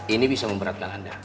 ini bisa memberatkan anda